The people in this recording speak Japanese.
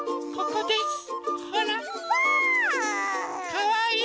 かわいい？